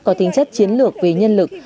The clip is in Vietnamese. có tính chất chiến lược về nhân lực